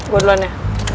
gue duluan ya